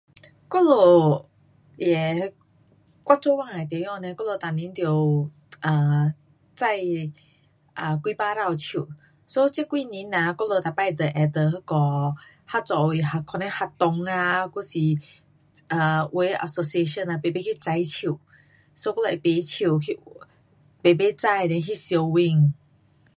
我们也，我做工的地方呢我们每年得 um 种 um 几百棵的树，so 这几年啊，我们每次会跟那个合作会，可能学堂啊还是有的 association 啊，排排去种树，so 我们会买树去排排种，then 拍照影。